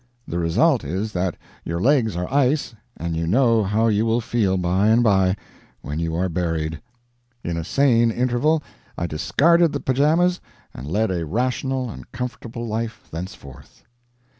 The result is that your legs are ice, and you know how you will feel by and by when you are buried. In a sane interval I discarded the pyjamas, and led a rational and comfortable life thenceforth.